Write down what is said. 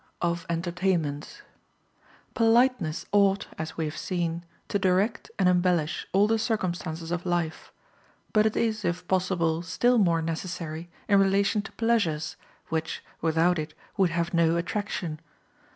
Of Entertainments. Politeness ought, as we have seen, to direct and embellish all the circumstances of life; but it is, if possible, still more necessary in relation to pleasures, which, without it, would have no attraction.